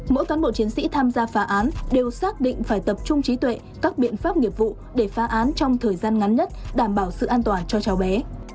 mỗi cán bộ chiến sĩ tham gia phá án đều xác định phải tập trung trí tuệ các biện pháp nghiệp vụ để phá án trong thời gian ngắn nhất đảm bảo sự an toàn cho cháu bé